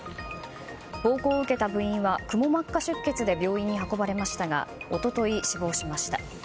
暴行を受けた部員はくも膜下出血で病院に運ばれましたが一昨日、死亡しました。